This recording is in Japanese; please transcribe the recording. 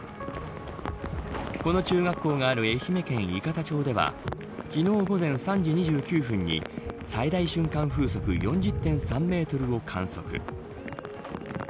この中学校がある愛媛県伊方町では昨日、午前３時２９分に最大瞬間風速４０．３メートルを観測。